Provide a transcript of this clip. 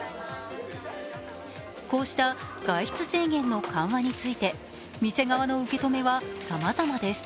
こうした外出制限の緩和について、店側の受け止めはさまざまです。